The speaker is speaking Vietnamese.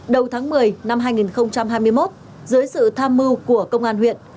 đầu tháng một mươi năm hai nghìn hai mươi một dưới sự tham mưu của công an huyện